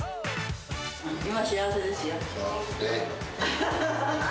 今幸せですよ。